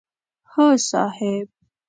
هو صاحب!